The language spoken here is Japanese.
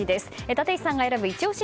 立石さんが選ぶイチ推し